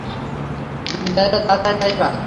জমিদারেরা যা চায় তাই পায়।